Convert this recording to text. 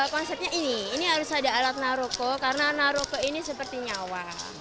konsepnya ini ini harus ada alat naroko karena naroko ini seperti nyawa